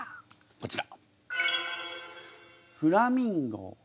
こちら。